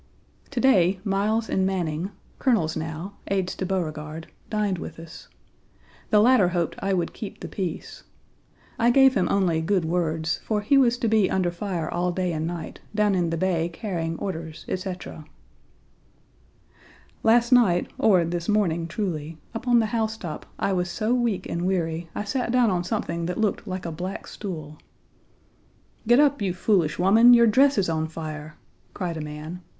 To day Miles and Manning, colonels now, aides to Beauregard, dined with us. The latter hoped I would keep the peace. I gave him only good words, for he was to be under fire all day and night, down in the bay carrying orders, etc. Last night, or this morning truly, up on the housetop I was so weak and weary I sat down on something that looked like a black stool. "Get up, you foolish woman. Your dress is on fire," cried a man.